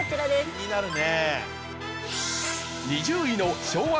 気になるね。